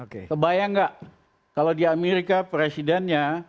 kebayang nggak kalau di amerika presidennya